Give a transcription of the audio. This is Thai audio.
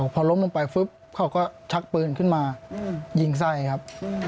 พอล้มลงไปปุ๊บเขาก็ชักปืนขึ้นมายิงไส้ครับ